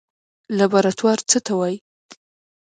لابراتوار څه ته وایي؟